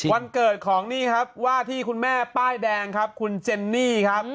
วันเกิดของนี่ครับว่าที่คุณแม่ป้ายแดงครับคุณเจนนี่ครับ